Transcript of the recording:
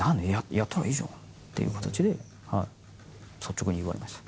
やったらいいじゃんという形で、率直に言われました。